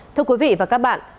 thưa quý vị và các bạn